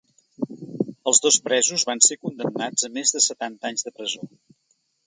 Els dos presos van ser condemnats a més de setanta anys de presó.